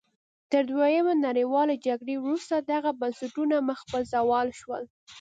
تر دویمې نړیوالې جګړې وروسته دغه بنسټونه مخ په زوال شول.